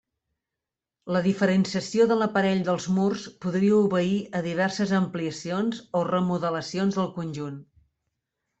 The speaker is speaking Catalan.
La diferenciació de l'aparell dels murs podria obeir a diverses ampliacions o remodelacions del conjunt.